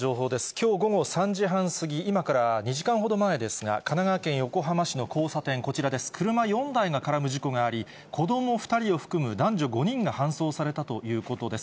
きょう午後３時半過ぎ、今から２時間ほど前ですが、神奈川県横浜市の交差点、こちらです、車４台が絡む事故があり、子ども２人を含む男女５人が搬送されたということです。